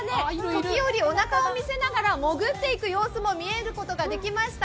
時折、おなかを見せながら潜っていく様子も見ることができました。